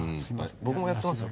僕もやってますよ